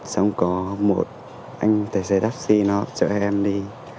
xong có một anh tài xe taxi nó chở em đi